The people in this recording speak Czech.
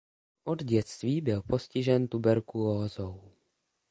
Od dětství byl postižen tuberkulózou.